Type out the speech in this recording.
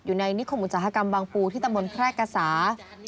อยู่ในนิคมอุตสาหกรรมบางปูที่ตำบลแพร่กษา